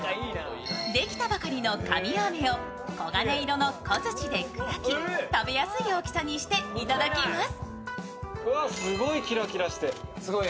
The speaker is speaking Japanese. できたばかりの加美代飴を黄金色の小づちで砕き食べやすい大きさにしていただきます。